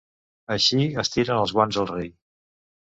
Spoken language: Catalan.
Així es tiren els guants al rei.